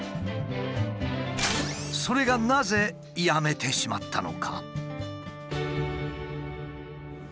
それがなぜやめてしまったのか？